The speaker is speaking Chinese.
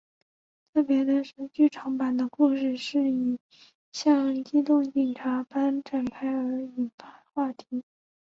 特别的是剧场版的故事是以像机动警察般展开而引发话题。